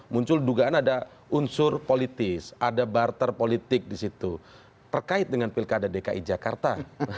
muncul dugaan ada unsur politis ada barter politik di situ terkait dengan pilkada dki jakarta